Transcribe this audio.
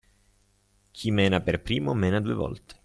Chi mena per primo, mena due volte.